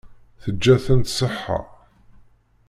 Teǧǧa-tent ṣṣeḥḥa.